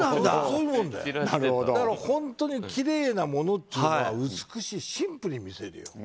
本当にきれいなものというのは美しい、シンプルに見せる。